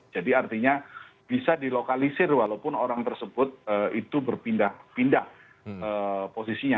jadi artinya bisa dilokalisir walaupun orang tersebut itu berpindah posisinya